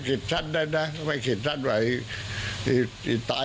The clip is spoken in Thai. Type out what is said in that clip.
เครียดไหมครับคุณตา